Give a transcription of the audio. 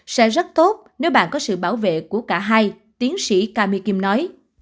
sẽ rất tốt nếu bạn có sự bảo vệ của cả hai tiến sĩ kami kim nói